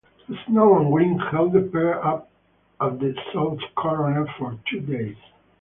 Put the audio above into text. Snow and wind held the pair up at the South Colonel for two days.